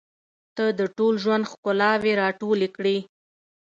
• ته د ټول ژوند ښکلاوې راټولې کړې.